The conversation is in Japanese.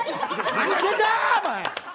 何してんだお前！